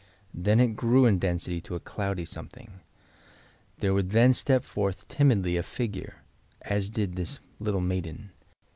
Then it grew in density to a cloudy something. There would then step forth tim idly a figure — as did this little maiden.